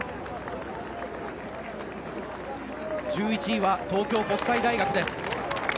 １１位は東京国際大学です。